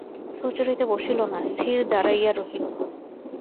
সুচরিতা বসিল না, স্থির দাঁড়াইয়া রহিল।